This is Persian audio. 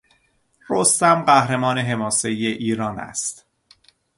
رستم قهرمان حماسهای ایران است.